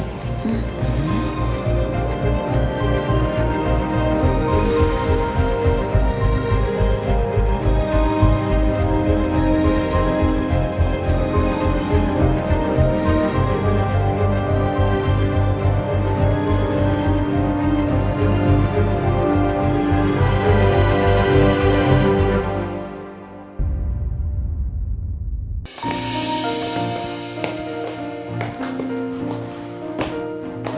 bener kayak gitu aja bu